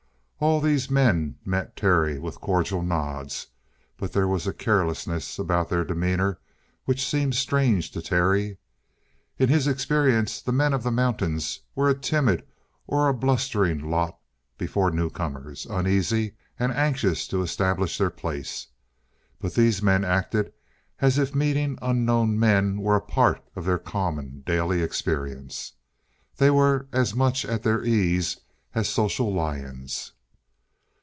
All these men met Terry with cordial nods, but there was a carelessness about their demeanor which seemed strange to Terry. In his experience, the men of the mountains were a timid or a blustering lot before newcomers, uneasy, and anxious to establish their place. But these men acted as if meeting unknown men were a part of their common, daily experience. They were as much at their ease as social lions.